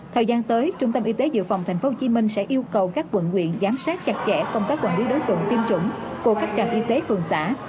thời gian tới trung tâm y tế dự phòng thành phố hồ chí minh sẽ yêu cầu các quận nguyện giám sát chặt chẽ công tác quản lý đối tượng tiêm chủng của các trạm y tế phường xã